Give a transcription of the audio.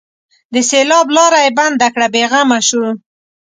د سېلاب لاره یې بنده کړه؛ بې غمه شو.